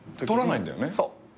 撮らないんだよね。